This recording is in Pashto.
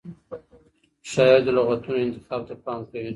شاعر د لغتونو انتخاب ته پام کوي.